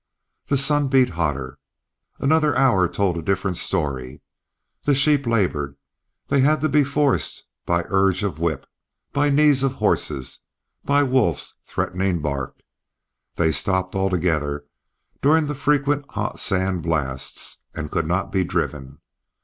The sun beat hotter. Another hour told a different story the sheep labored; they had to be forced by urge of whip, by knees of horses, by Wolf's threatening bark. They stopped altogether during the frequent hot sand blasts, and could not be driven.